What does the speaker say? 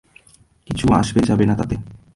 কিছু আসবে যাবে না তাতে।